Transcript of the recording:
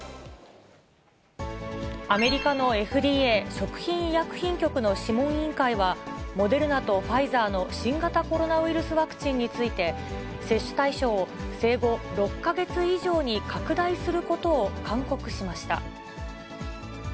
アメリカのＦＤＡ・食品医薬品局の諮問委員会は、モデルナとファイザーの新型コロナワクチンについて、接種対象を生後６か月以上に拡大することを勧告しました。